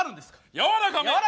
やわらかめ！